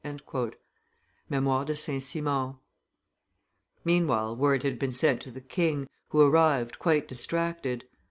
[Memoires de St. Simon, ix.] Meanwhile word had been sent to the king, who arrived quite distracted.